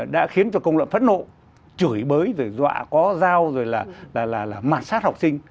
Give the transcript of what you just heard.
đã khiến cho công lợi phẫn nộ chửi bới rồi dọa có dao rồi là mặt sát học sinh